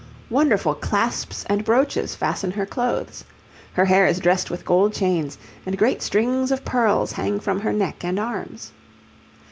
Wonderful clasps and brooches fasten her clothes. Her hair is dressed with gold chains, and great strings of pearls hang from her neck and arms.